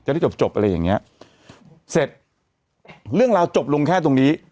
ได้จบจบอะไรอย่างเงี้ยเสร็จเรื่องราวจบลงแค่ตรงนี้